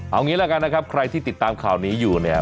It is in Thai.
เอางี้ละกันนะครับใครที่ติดตามข่าวนี้อยู่เนี่ย